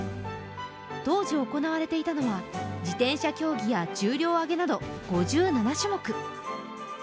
当時行われていたのは自転車競技や重量挙げなど５７種目。